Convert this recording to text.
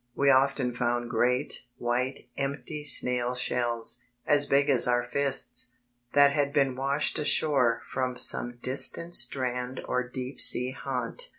We often found great, white, empty "snail" shells, as big as our fists, that had been washed ashore from some distant strand or deep sea haunt.